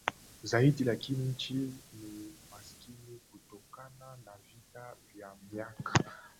zaidi Lakini nchi ni maskini kutokana na vita vya miaka